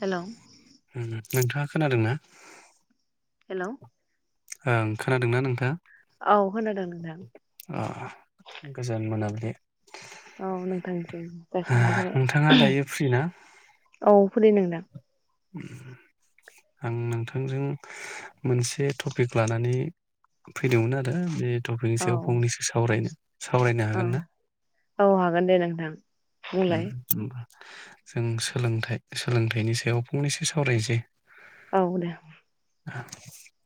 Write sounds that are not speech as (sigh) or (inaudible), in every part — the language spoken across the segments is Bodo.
हेलोव नोंथांङा खोनादों ना? हेलोव ओं खोनादों ना नोंथांङा? औ खोनादों नोंथां। ओ गोजोन मोनाबिलि औ नोंथां निसिम जासिहनाय नोंथाङा थाबाय दायो फ्रि ना औ खुलि नोंदां ओम आं नोंथांजों मोनसे टपिक लानानै फैदोंमोन आरो बे टपिकनि औ सायाव फंनैसो सावरायनो सावरायनो हागोन ना? औ हागोन दे नोंथां उम बुंलाय होनबा जों सोलोंथाइ सोलोंथाइनि सायाव फंनैसो सावरायसै औ दे (unintelligible)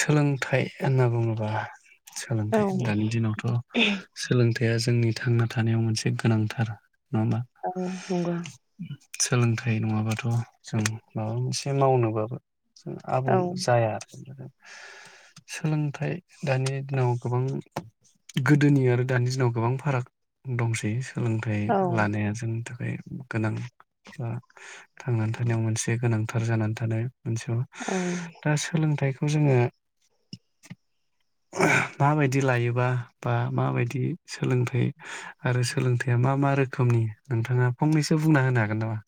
सोलों थाइ होनना बुंङोबा औ सोलोंथाइ दानि दिनावथ सोलोंथाइ या जोंनि थांना थानायाव मोनसे गोनांथार नङा होमबा औ नंगौ। सोलोंथाइ नंङाबाथ जों माबा मोनसे मावनोबाबो जों आबुं औ जाया आरो सोलोंथाइ दानि दिनाव गोबां गोदोनि आरो दानि दिनाव गोबां फाराग दंसै सोलोंथाइ औ लानाया जोंनि थाखाय गोनां बा थांनानै थानायाव मोनसे गोनांथार जानानै थानाय ओनसोल औ दा सोलोंथाइखौ खौ जोङो माबायदि लायोबा बा माबायदि सोलोंथाइ आरो सोलोंथाया मा मा रोखोम रोखोमनि नोंथाङा फंनैसो बुंना होनो हागोन नामा?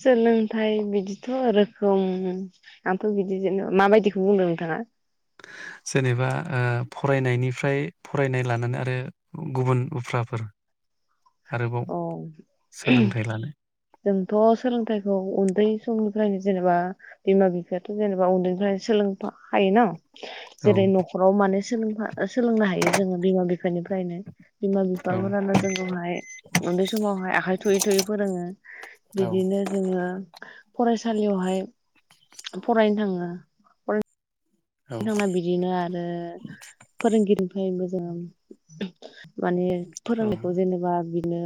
सोलोंथाइ बिदिथ रोखोम आंथ बिदि जेनेबा माबायदिखौ बुंदों नोंथाङा? जेनेबा ओ फरायनायनिफ्राय फरायनाय लानानै आरो गुबुन उफ्राफोर आरोबाव औ सोलोंथाइ लानाय जोंथि सोलोंथाइखौ उन्दै समनि (unintelligible) जेनेबा बिमा बिफायाथ जेनेबा उन्दैनिफ्रायनो सोलों हायोन औ जेरै न खराव मा सोलोंफा सोलोंनो हायो जोङो बिमा बिफा बिफोरनिफ्रायनो बिमा औ बिफाफोरानो जोंखौहाय उन्दै समावहाय आखाय थुयै थुयै फोरोङो औ बिदिनो जोङो फरायसालियावहाय फरायनो थाङो औ दना बिदिनो आरो फोरोंगिरिनिफ्रायबो जों माने औ फोरोंनायखौ जेनेबा बि नो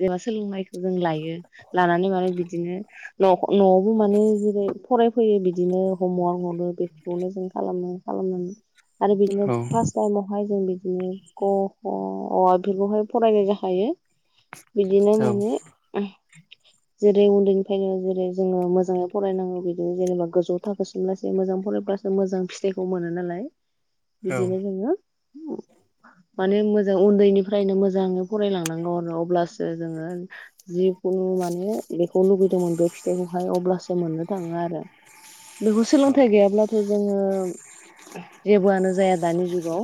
जेनबा सोलोंनायखौ जों लायो। (unintelligible) लानानै माने बिदिनो न नआवबो माने जेरै फरायफैयो बिदिनो हमवार्क हरो बेखौनो जों खालामो खालामनानै आरो बिदिनो उम फार्स्ट टाइमावहाय जों बि (unintelligible) क ख अ आ बेफोरखौहाय फरायनाय जाखायो बिदिनो औ माने जेरै उन्दैनिफ्रायनो जेरै जोङो मोजाङै फरायनांगौ बिदिनो जेनेबा गोजौ थाखोसिम लासै मोजां फरायब्लासो मोजां फिथाइखौ मोनो नालाय बिदिनो जोङो उम माने मोजां उन्दैनिफ्रायनो मोजाङै फरायलांनांगौ आरो अब्लासो जोङो जि खुनु माने बेखौ लुगै (unintelligible) फिथाइखौहाय अब्लासो मोननो थाङो आरो बेखौ सोलोंथाय गैया अब्लाथ जोङो जेबोआनो जाया दानि जुगाव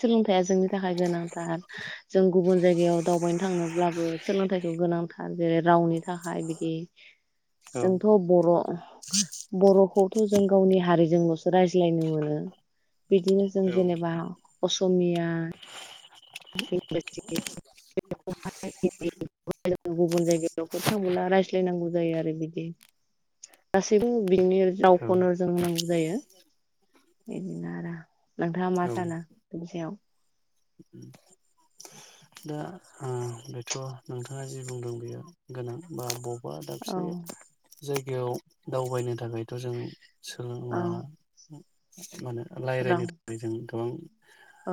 सोंलोंथाय थाया जोंनि थाखाय गोनां। थार जों गुबुन जायगायाव दावबायनो थांनोब्लाबो सोलोंथायखौ गोनांथार जेरै रावनि थाखाय बिदि जोंथ' बर' बर' खौथ जों गावनि हारिजोंलसो रायज्लायनो मोनो। बिदिनो जों जेनेबा अस'मिया (inaudible) (inaudible) (inaudible) गुबुन जायगायावफोर थांबोला रायज्लायनांगौ जायो आरो बिदि। गासैबो (unintelligible) औ रावखौनो जों (unintelligible) जायो बिदिनो आरो। नोंथाङा मा औ सानो बेनि सायाव? दा ओ बेथ नोंथाङा जि बुंदों बेयो गोनां बा ब बा औ दाबसे जायगायाव दावबायनो थाखायथ जों औ सोलोंनानै मा होनो रायज्लायनो राव थाखाय जों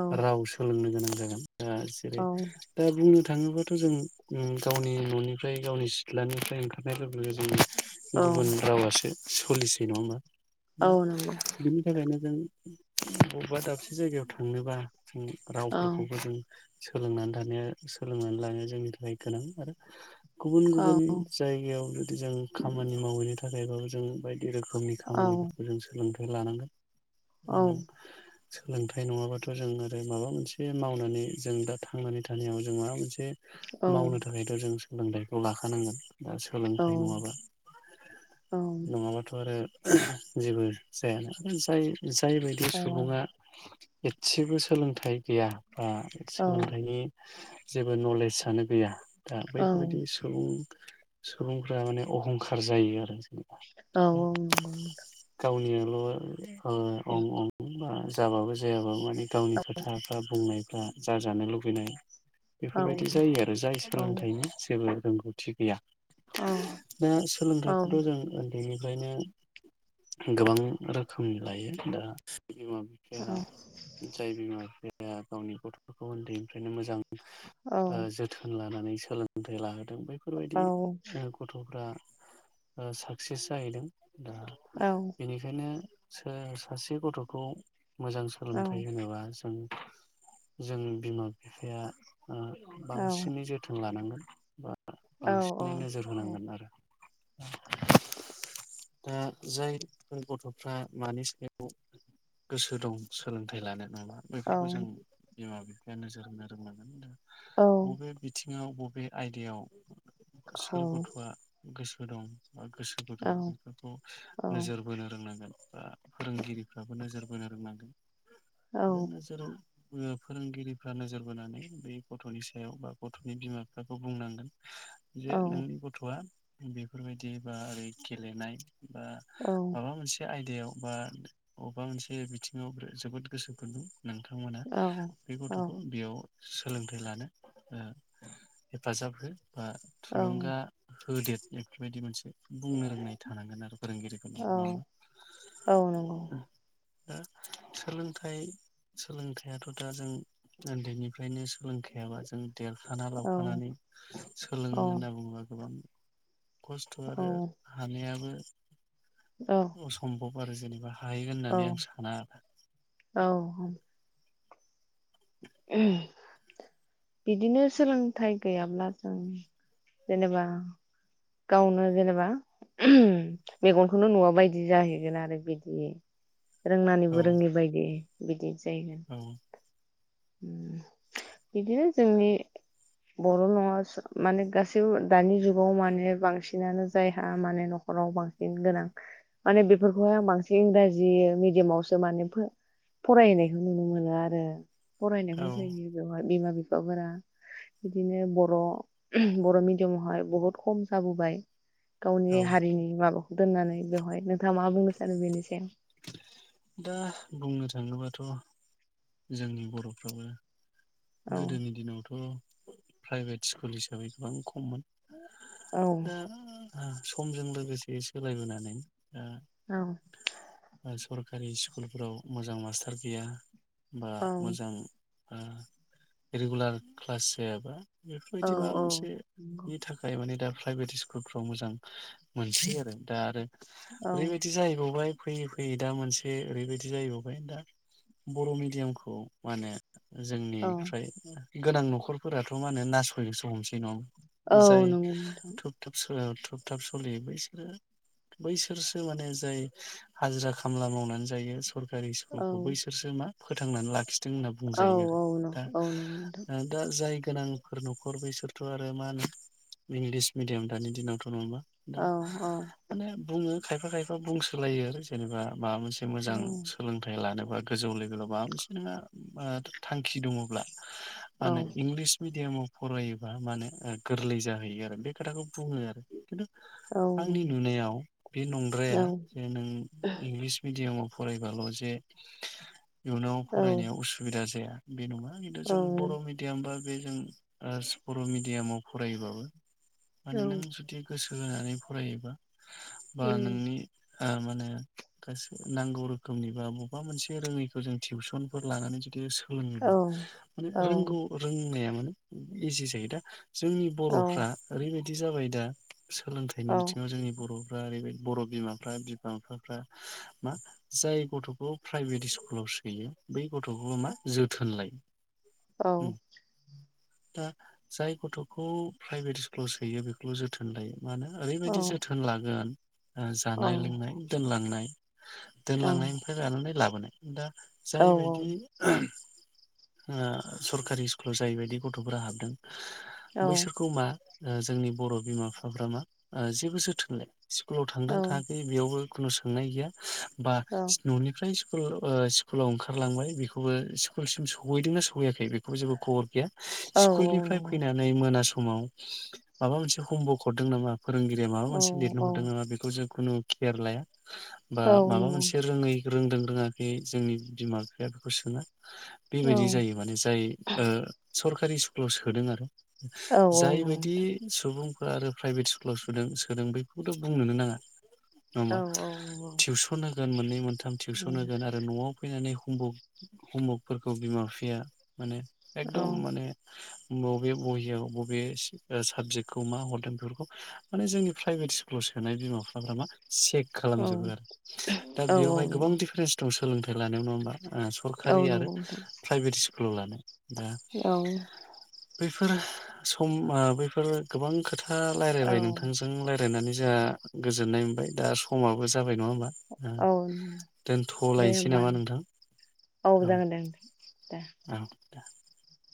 औ राव सोलोंनो गोनां जागोन। (unintelligible) जेरै औ। दा बुंनो थाङोबाथ जों उम गावनि ननिफ्राय गावनि सिथ्लानिफ्राय ओंखारनाय लोगो लोगो जों औ गुबुन रावासो सलिसै नङा होमबा। औ दा नंगौ बिनि थाखायनो जों बबेबा दाबसे जायगायाव थांनोबा जों औ रावफोरखौबो जों सोलोंनानै थानाया सोलोंनानै लानाया जोंनि थाखाय गोनां। आरो गुबुन औ गुबुन जायगायाव जुदि जों खामानि मावहैनो थाखायबाबो जों बायदि बायदि रोखोमनि औ औ खामानिफोरखौ जों सोलोंदों बे लानांगोन। औ (inaudible) सोलोंथाय नङाबाथ जों आरो माबा मोनसे मावनानै जों दा थांनानै थानायाव जों माबा मोनसे बे औ मावनो थाखायथ जों सोलोंथायखौ लाखानांगोन। दा सोलोंथाय नङाबा औ नङाबाथ आरो जेबो जायाना। आरो जाय जायबायदि सुबुंङा एसेबो सोलोंथाय गैया बा औ सोलों जेबो नलेजआनो गैया दा औ बैफोरबायदि सुबुं सुबुंफ्रा माने अहंखार जायो आरो। जेनेबा औ औ नंगौ नोथां। (inaudible) ओ अं अं बा जाबाबो जायाबाबो माने गावनि खोथा बा बुंनाय जाजानो लु बेनो औ बेफोरबायदि जायो आरो जाय औ सोलोंथायनि जेबो रोंगौथि गैया। दा औ सोलोंथायखौथ जों उन्दैनि फ्रायनो गोबां रोखोमनि लायो दा बिमा बिफाया जाय बिमा बिफाया दा गावनि गथ'फोरखौ उन्दै फोरनो मोजां ओ जोथोन लानानै सोलों थाय लाहोदों बै बेफोरबायदि ओ गथ'फ्रा ओ साक्सेस जाहैदों। दा बेनिखायनो सों सासे गथ'खौ मोजां सोलोंथाय होनोबा जों जों बिमा फिफाया उम बांसिनै जोथोन लानांगोन। बा बांसिनै नोजोर होनांगोन आरो। दा जायफोर गथ'फ्रा मानि सायाव गोसो दं सोलोंथाइ लानो नामा औ बेफोरखौ जों बिमा बिफायानो जोरनो रोंनांगोन दा औ औ बबे बिथिं ङाव बबे आयदायाव औ सोर गथ'आ गोसो हो दं बा गोसो औ गुदुं बेफोरखौ औ नोजोर बोनो रोंनांगोन बा फोरोंगिरिफ्राबो नोजोर बोनो रोंलांदों औ आरो नोजोर बो फोरोंगिरि फ्रा नोजोर बोनानै बै गथ'नि सायाव बा गथ'नि बिमा बिफाखौ बुंनांगोन। जे औ नोंनि गथ'आ बेफोरबायदि बा ओरै गेलेनाय, बा औ माबा मोनसे आयदायाव बा बबेबा मोनसे बिथिंङाव जोबोद गोसो खुदुं नोंथांमोना औ बे गथ' औ बेयाव सोलोंथाइ लानो ओ हेफाजाब हो बा थुलुंगा होदेद बेफोरबायदि मोनसे बुंनो रोंनाय थानांगोन आरो औ फोरोंगिरिफोरनाव नंङा होनबा? औ नंगौ दा सोलोंथाइ सोलोंथाइथ दा जों ओनदै निफ्रायनो सोलोंखायाबा जों देरखाना औ लावखानानै औ सोलोंङो होनना बुंङोबा गोबां खस्थ औ आरो हानायाबो (inaudible) असमम्भब आरो जेने थाहैगोन औ होननानै आं साना आरो औ बिदिनो सोलोंथाइ गैयाब्ला जों जेनेबा गावनो जेनेबा मेगनखौनो नुवा बायदि जाहैगोन आरो बिदि रोंनानैबो रोङै बायदि बिदि जायो औ ओम बिदिनो जोंनि बर न स माने गासैबो दानि जुगाव माने बांसिनानो जायहा माने नखराव बांसिन गोनां माने बेफोरखौहाय आं बांसिन इंराजि मिडियामावसो माने फो फरायनायखौ नुनो मोनो आरो। फरायनाय औ (unintelligible) बिमा बिफ बिफाफोरा बिदिनो बर बर मिडियामावहाय बहुत खम जाबोबाय गावनि औ हारिनि माबाखौ दोननानै बेवहाय नोंथाङा मा बुंनो सानो बेनि सायाव? दा बुंनो थाङोबाथ जोंनि बरफ्राबो औ गोदोनि दिनावथ प्राइभेट स्कुल हिसाबै गोबां खममोन औ दा समजों लोगोसे सोलायबोनानै दा औ सरकारि स्कुलफोराव मोजां मास्टार गैया। बा औ मोजां आ रेगुलार क्लास जायाबा औ बेफोरबायदि माबा नंगौ मोनसेनि थाखाय माने दा प्राइभेट स्कुलफ्राव मोजां मोनसै आरो दा आरो औ ओरैबायदि जाहैबावबाय फैयै फैयै दा मोनसे ओरैबायदि जाहैबावबाय दा बर मिडियामखौ मानो जोंनि औ गोनां नखरफोराथ मा होनो नासयनोसो हमसै नङा औ ओमबा। जाय नंगौ नोंथां थुप थाप सो ओ थुब थाब सलियो बैसोरो बैसोरसो माने जाय हाजिरा खामला मावनानै जायो सरकारि औ स्कुलखौ बैसोरसो मा फोथांनानै लाखि दों होनना औ बुंजायो औ आरो न औ नंगौ नोंथां दा जाय गोनांफोर नखर बेसोरथ आरो मा होनो इंलिस मिडियाम दानि दिनावथ नङा होमबा दा औ औ माने बुङो खायफा खायफा बुंसोलायो आरो जेनेबा माबा मोनसे औ मोजां सोलोंथाय लानोबा गोजौ लोबेलाव माबा मोनसे नोंहा थांखि दङ इंलिस मिडियामाव फरायोबा माने गोर्लै जाहैयो आरो बे खोथाखौ बुङो आरो खिन्थु आंनि नुनायाव बे नंद्राया जे नों इंलिस मिडियामाव फरायबाल जे इयुनाव औ फरायनायाव उसुबिदा जाया। बे नङा। (unintelligible) औ जों बर' मिडियाम बा बे जों ओ बर' मिडियामाव फरायोबाबो औ माने नों जुदि गोसो होनानै फरायोबा बा नोंनि ओ मानो गासै नांगौ रोखोमनि बा बबेबा मोनसे रोङैखौ जों टिउसनफोर लानानै जुदि औ सोलोङोबा माने औ रोंगौ रोंनाया माने इजि जायो। दा जोंनि औ बर'फ्रा ओरैबायदि दि जाबाय दा सोलोंथायनि औ बिथिङाव जोंनि बर' ओरैबायदि बर' बिमाफ्रा बिमा बिफाफ्रा मा जाय गथ'खौ प्राइभेट स्कुलाव सोयो बै गथ'खौबो मा जोथोन लायो। औ। दा जाय गथ'खौ प्राइभेट स्कुलाव सोयो बेखौल जोथोन लायो। मा होनो ओरैबायदि औ जोथोन लागोन औ जानाय लोंनाय दोनलांनाय। दोनलांनायनिफ्राय लानानै लाबोनाय नाय दा जायबायदि ओ सरखारि स्कुलाव जायबायदि गथ'फोरा हाबदों बैसोरखौ मा ओ जोंनि बर' बिमा बिफाफ्रा मा ओ जेबो जोथोन लाया। स्कुलाव थांदों थाङाखै बेयावबो खुनु सोंनाय गैया बा ननिफ्राय स्कुल ओ स्कुलाव ओंखारलांबाय बेखौबो स्कुलसिम स सौहैदोंना सहैयाखै बेखौबो जेबो खबर गैया। स्कुलनिफ्राय फैनानै मोनास समाव माबा मोनसे हम वार्ड हरदों नामा? फोरोंगिरिया माबा मोनसे लिरनो हरदों नामा? बेखौ जों खुनु केयार लाया बा नंगौ माबा मोनसे रोङै रोंदों रोङाखै जोंनि बिमा बिफाया बेखौ सोङा। बेबायदि जायो माने जाय ओ सरकारि स्क क्लाव सोदों आरो जायबायदि सुबुं आरो प्राइभेट स्कुलाव सुदों सोदों बेफोरखौथ बुंनोनो नाङा नमा टिउसन होगोन मोननै मोनथाम टिउसन होगोन आरो नआव फैनानै खमभु खमभक फोरखौ बिमा बिफाया माने एकदम माने बबे बहियाव बबे स-साबजेक्टखौ मा हरदों बेफोरखौ माने जोंनि प्राइभेट स्कुलाव सोनाय बिमा बिफाफ्रा मा चेक खालामजोबो आरो दा बेयावहाय गोबां डिफारेन्स दंसै सोलोंथाय लानो नङा होमबा अ सरखारि आरो नोंथां प्राइभेट स्कुलाव लानो दा औ बैफोर सम आ बैफोर गोबां खोथा आ औ लायरायबाय नोंथांजों लायरायनानै जा गोजोननाय मोनबाय दा समाबो जाबाय नङा होमबा औ दे दोनथलायसै होमबा नामा नों। नोंथां औ जागोन दे नोंथां दे (unintelligible) (inaudible)